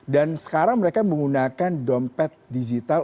dan sekarang mereka menggunakan dompet digital